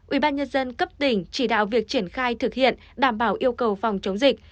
ubnd cấp tỉnh chỉ đạo việc triển khai thực hiện đảm bảo yêu cầu phòng chống dịch